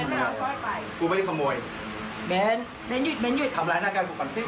จะแจ้งความสุดทอดหาวุฒุเสมอนะคะ